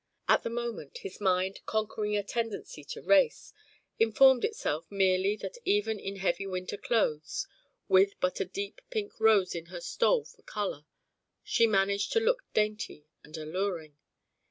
At the moment, his mind, conquering a tendency to race, informed itself merely that even in heavy winter clothes, with but a deep pink rose in her stole for colour, she managed to look dainty and alluring.